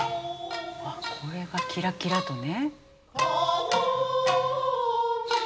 これがキラキラとね。